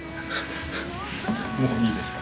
もういいですか？